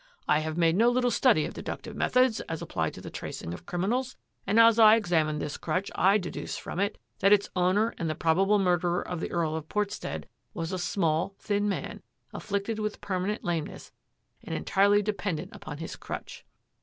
I have made no little study of deductive methods as ap plied to the tracing of criminals, and as I examine this crutch I deduce from it that its owner and the probable murderer of the Earl of Portstead was a small, thin man, afflicted with permanent lameness and entirely dependent upon his crutch."